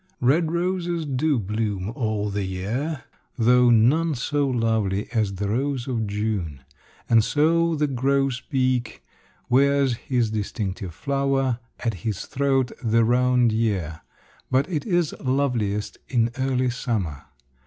Red roses do bloom all the year, though none so lovely as the rose of June; and so the grosbeak wears his distinctive flower at his throat the round year, but it is loveliest in early summer.